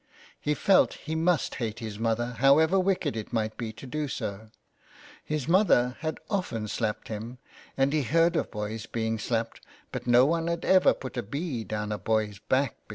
He felt he must hate his mother, however wicked it might be to do so. His mother had often slapped him, he had heard of boys being slapped, but no one had ever put a bee down a boy's back 286 so ON HE FARES.